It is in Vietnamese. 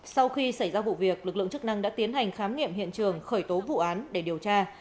sau khi xảy ra vụ việc lực lượng chức năng đã tiến hành khám nghiệm hiện trường khởi tố vụ án để điều tra